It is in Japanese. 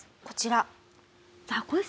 こちら。